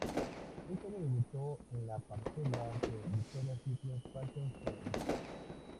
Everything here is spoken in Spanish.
Este año debutó en la pasarela del Victoria's Secret Fashion Show.